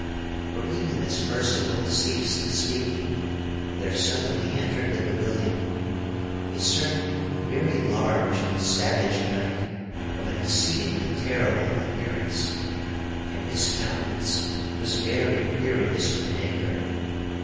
For, even as Percival ceased speaking, there suddenly entered the pavilion a certain very large and savage knight of an exceedingly terrible appearance; and his countenance was very furious with anger.